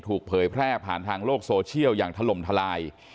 เผยแพร่ผ่านทางโลกโซเชียลอย่างถล่มทลาย